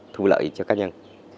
thu lợi cho các nhân